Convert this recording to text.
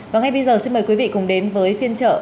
và ngay bây giờ xin mời quý vị đến với phiên chợ